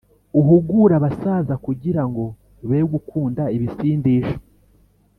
Uhugure abasaza kugira ngo be gukunda ibisindisha